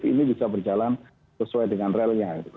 jadi ini bisa berjalan sesuai dengan realnya